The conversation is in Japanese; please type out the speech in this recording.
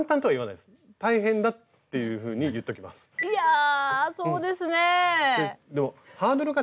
いやそうですね。